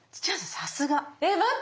さすが。え待って。